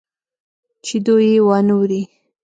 چې دوى يې وانه وري.